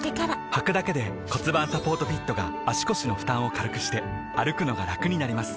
はくだけで骨盤サポートフィットが腰の負担を軽くして歩くのがラクになります